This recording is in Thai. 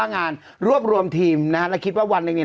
แล้วคิดว่าวันหนึ่งนี่